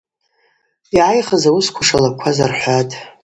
Йъагӏайхыз ауысква шалкваз рхӏватӏ.